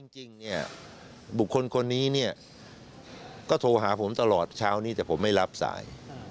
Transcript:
จริงเนี่ยบุคคลคนนี้เนี่ยก็โทรหาผมตลอดเช้านี้แต่ผมไม่รับสาย